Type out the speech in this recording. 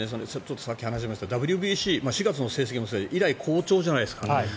さっき話しましたがＷＢＣ４月の成績好調じゃないですか。